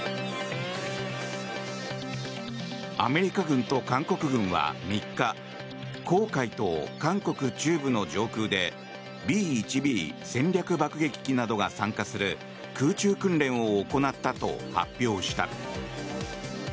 アメリカ軍と韓国軍は３日黄海と韓国中部の上空でＢ１Ｂ戦略爆撃機などが参加する空中訓練を行ったと発表した。